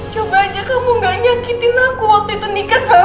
coba aja kamu gak nyakitin aku waktu itu nikah sama